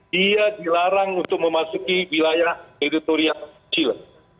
dia dilarang untuk memasuki wilayah editorial chile